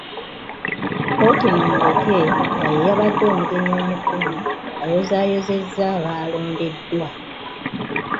Ppookino Muleke nga ye yabadde omugenyi omukulu ayozaayozezza abaalondeddwa.